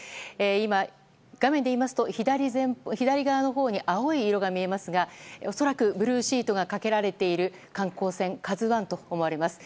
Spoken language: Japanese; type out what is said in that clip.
今、画面で言いますと左側のほうに青い色が見えますが恐らくブルーシートがかけられている観光船「ＫＡＺＵ１」と思われます。